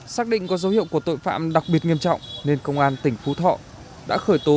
xác định có dấu hiệu của tội phạm đặc biệt nghiêm trọng nên công an tỉnh phú thọ đã khởi tố